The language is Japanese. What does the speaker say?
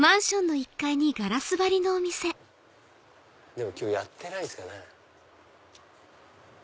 でも今日やってないんすかね。